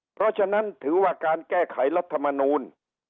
เพราะฉะนั้นถือว่าการแก้ไขรัฐมนูล